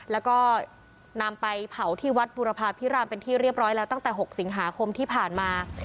แล้วก็นำไปเผาที่วัดบุรพาพิรามเป็นที่เรียบร้อยแล้วตั้งแต่๖สิงหาคมที่ผ่านมา